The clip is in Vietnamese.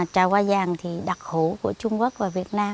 trào hoa vàng thì đặc hữu của trung quốc và việt nam